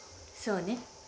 そうね。